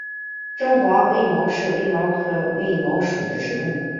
中华卫矛是卫矛科卫矛属的植物。